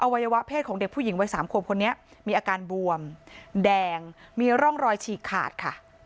วัยวะเพศของเด็กผู้หญิงวัย๓ขวบคนนี้มีอาการบวมแดงมีร่องรอยฉีกขาดค่ะ